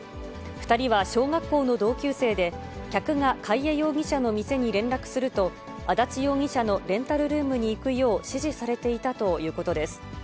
２人は小学校の同級生で、客が貝江容疑者の店に連絡すると、安達容疑者のレンタルルームに行くよう指示されていたということです。